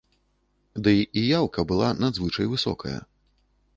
Ды і яўка была надзвычай высокая.